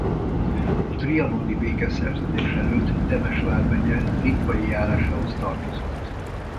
A trianoni békeszerződés előtt Temes vármegye Lippai járásához tartozott.